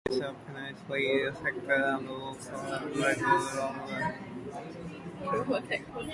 The leaves are pinnately dissected and the lobes are irregularly rounded.